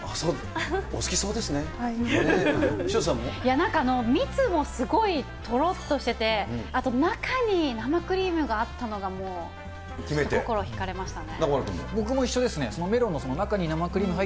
なんか蜜もすごいとろっとしてて、あと中に生クリームがあったのがもう心惹かれましたね。